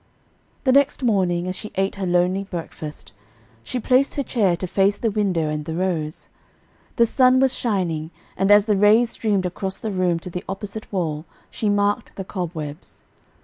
The next morning, as she ate her lonely breakfast, she placed her chair to face the window and the rose. The sun was shining, and as the rays streamed across the room to the opposite wall, she marked the cobwebs.